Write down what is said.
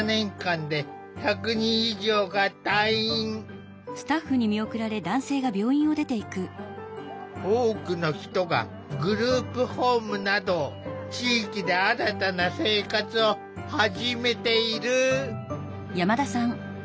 これまでに多くの人がグループホームなど地域で新たな生活を始めている。